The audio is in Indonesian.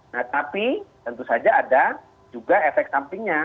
nah tapi tentu saja ada juga efek sampingnya